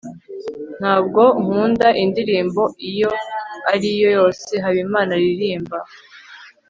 ntabwo nkunda indirimbo iyo ari yo yose habimana aririmba